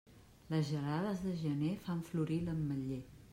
Les gelades de gener fan florir l'ametller.